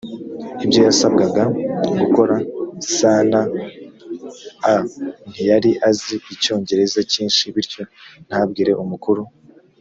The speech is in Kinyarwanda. ibyo yasabwaga gukora sanaa ntiyari azi icyongereza cyinshi bityo ntabwire umukuru